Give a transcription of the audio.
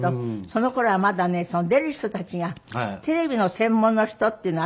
その頃はまだね出る人たちがテレビの専門の人っていうの。